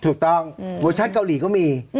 ถูกต้องเวอร์ชั่นเกาหลีก็มี